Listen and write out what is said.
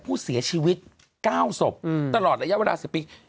ผู้เสียชีวิตเก้าศพอืมตลอดระยะเวลาสิบปี